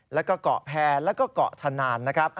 แล้วก็เกาะแพรแล้วก็เกาะธนานนะครับ